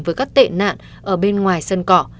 với các tệ nạn ở bên ngoài sân cỏ